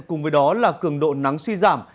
cùng với đó là cường độ nắng suy giảm